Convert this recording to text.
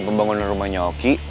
pembangunan rumahnya oki